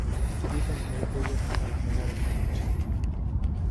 dicen que hay pollo para cenar esta noche.